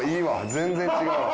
全然違うわ。